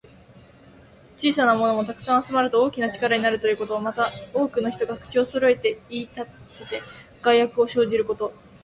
小さなものも、たくさん集まると大きな力になるということ。また、多くの人が口をそろえて言いたてて、害悪を生じること。